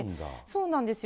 そうなんですよ。